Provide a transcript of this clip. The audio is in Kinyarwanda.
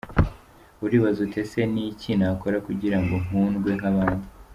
Uribaza uti ese ni iki nakora kugira ngo nkundwe nk’abandi?.